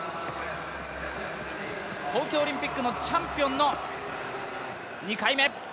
東京オリンピックのチャンピオンの２回目。